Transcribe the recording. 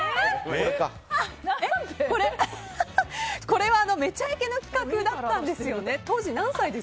これは「めちゃイケ」の企画だったんですよね。